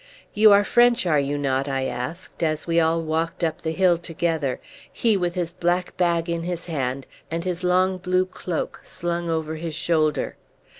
"You are French, are you not?" I asked, as we all walked up the hill together, he with his black bag in his hand and his long blue cloak slung over his shoulder.